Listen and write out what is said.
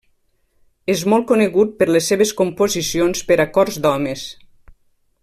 És molt conegut per les seves composicions per a cors d'homes.